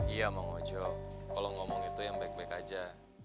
iya bang ojo kalau ngomong itu yang baik baik aja